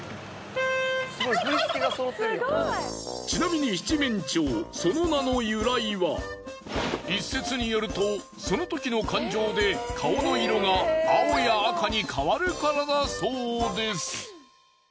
ちなみに一説によるとその時の感情で顔の色が青や赤に変わるからだそうです。